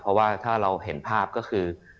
เพราะว่าถ้าเราเห็นภาพก็คือ